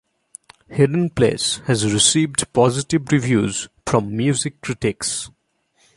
"Hidden Place" has received positive reviews from music critics.